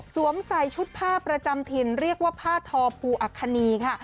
ใส่ชุดผ้าประจำถิ่นเรียกว่าผ้าทอภูอัคคณีค่ะ